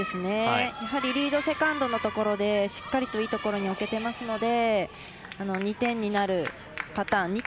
やはりリード、セカンドのところでしっかりといいところに置けていますので２点になるパターン。